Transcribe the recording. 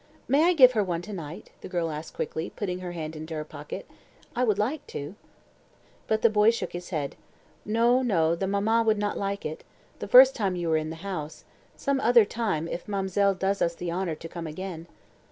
"May I give her one to night?" the girl asked quickly, putting her hand into her pocket. "I would like to." But the boy shook his head. "No, no, the mama would not like it the first time you were in the house. Some other time, if ma'm'selle does us the honour to come again."